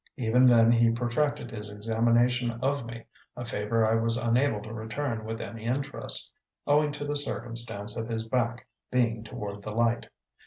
Even then he protracted his examination of me, a favour I was unable to return with any interest, owing to the circumstance of his back being toward the light.